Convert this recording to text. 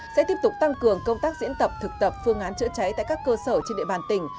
sẽ tiếp tục tăng cường công tác diễn tập thực tập phương án chữa cháy tại các cơ sở trên địa bàn tỉnh